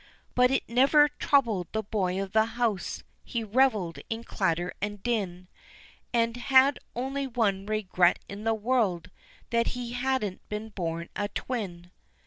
But it never troubled the boy of the house, He revelled in clatter and din, And had only one regret in the world That he hadn't been born a twin.